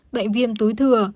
bệnh viêm túi thừa